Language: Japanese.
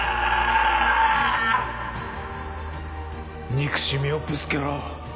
憎しみをぶつけろ。